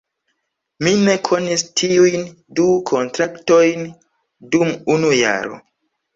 Mi ne konis tiujn du kontraktojn dum unu jaro.